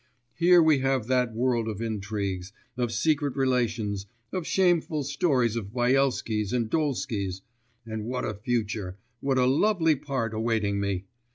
Here we have that world of intrigues, of secret relations, of shameful stories of Byelskys and Dolskys.... And what a future, what a lovely part awaiting me!